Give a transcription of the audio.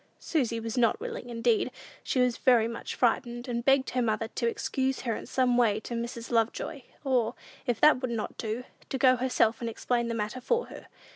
Susy was not willing; indeed, she was very much frightened, and begged her mother to excuse her in some way to Mrs. Lovejoy, or, if that would not do, to go herself and explain the matter for her.